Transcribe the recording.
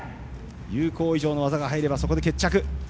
有効以上の技が入ればそこで決着。